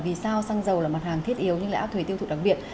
vì sao xăng dầu là mặt hàng thiết yếu nhưng lại áp thuế tiêu thụ đặc biệt